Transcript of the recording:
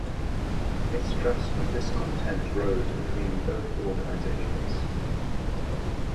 Mistrust and discontent rose between both organisations.